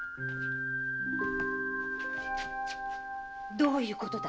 どういうことだ